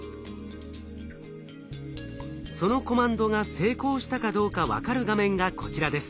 そのコマンドが成功したかどうか分かる画面がこちらです。